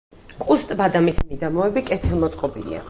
კუს ტბა და მისი მიდამოები კეთილმოწყობილია.